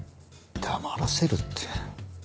「黙らせる」って。